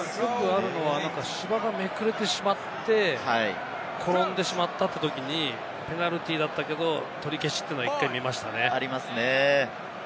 芝がめくれてしまって転んでしまったってときにペナルティーだったけれども、取り消しっていうのは１回見ましたね。